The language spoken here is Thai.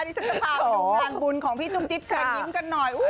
ที่ฉันจะพาไปดูงานบุญของพี่จุ๊บจิ๊บเชิญยิ้มกันหน่อย